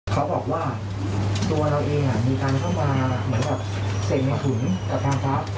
คือหนูเจ็ดวันหนูก็ทำงานเจ็ดวันนะครับ